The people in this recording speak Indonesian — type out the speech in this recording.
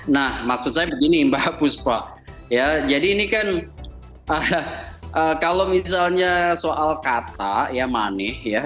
nah maksud saya begini mbak buspa ya jadi ini kan kalau misalnya soal kata ya maneh ya